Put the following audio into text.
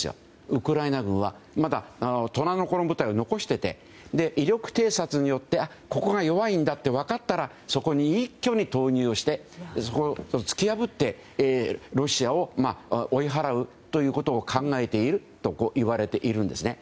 ウクライナ軍はまだ虎の子の部隊を残していて威力偵察によってここが弱いんだと分かったらそこに一挙に投入して突き破ってロシアを追い払うということを考えているといわれているんですね。